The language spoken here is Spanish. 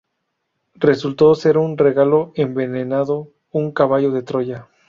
Resultó ser un regalo envenenado, un caballo de Troya